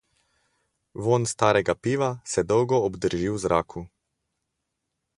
Vonj starega piva se dolgo obdrži v zraku.